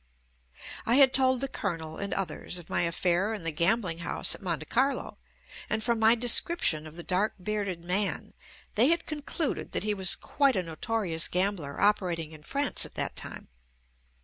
I had told the Colonel and others of my affair in the gambling house at Monte Carlo, and from my description of the dark bearded man, they had concluded that he was quite a notorious gambler operating in France at that time.